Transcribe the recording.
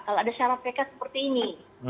kalau ada syarat pk seperti ini